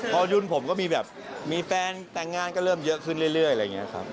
พอยุ่นผมมีแฟนแต่งงานเริ่มยังเยอะขึ้นเรียกย่อย